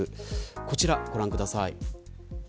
こちらご覧ください。